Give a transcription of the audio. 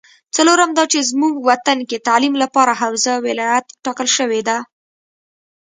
څلورم دا چې زمونږ وطن کې تعلیم لپاره حوزه ولایت ټاکل شوې ده